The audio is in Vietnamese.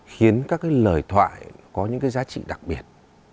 khiến các cái lời thoại có những cái giá trị đặc biệt